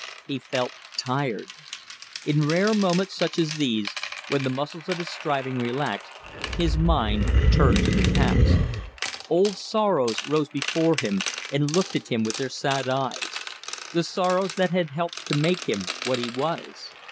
He felt tired. In rare moments such as these, when the muscles of his striving relaxed, his mind turned to the past. Old sorrows rose before him and looked at him with their sad eyes; the sorrows that had helped to make him what he was.